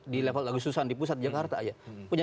di level lagu susan di pusat jakarta ya